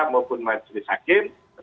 maupun majlis hakim